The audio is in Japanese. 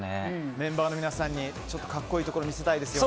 メンバーの皆さんに格好いいところ見せたいですよね。